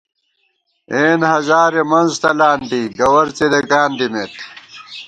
اېن ہزارےڅابَکانہ منز تلان دی گوَر څېدېکان دِمېت